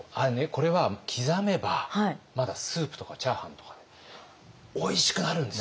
これは刻めばまだスープとかチャーハンとかおいしくなるんですよ。